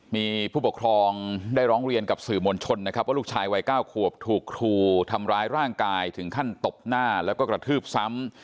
มีผู้ปกครองได้ร้องเรียนกับสื่อมวลชนนะครับว่าลูกชายวัย๙ขวบถูกครูทำร้ายร่างกายถึงขั้นตบหน้าแล้วก็กระทืบซ้ำ